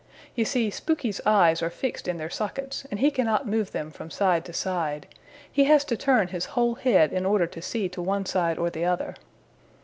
You see Spooky's eyes are fixed in their sockets and he cannot move them from side to side. He has to turn his whole head in order to see to one side or the other.